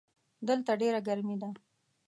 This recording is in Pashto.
دلته ډېره ګرمي ده.